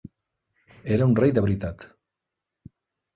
Era un rei de veritat!